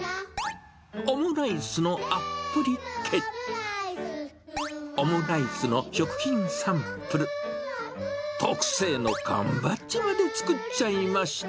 オムライスのアップリケ、オムライスの食品サンプル、特製の缶バッジまで作っちゃいました。